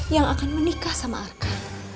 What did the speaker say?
yang akan menikah sama arka